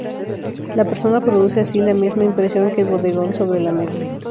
La persona produce así la misma impresión que el bodegón sobre la mesa.